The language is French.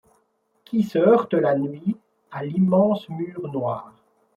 Qui se heurtent la nuit à l’immense mur noir